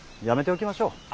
やめておきましょう。